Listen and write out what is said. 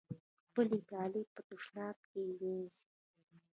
خپل کالي هم په تشنابونو کې وینځي.